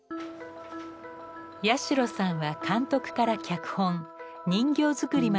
八代さんは監督から脚本人形作りまで行っています。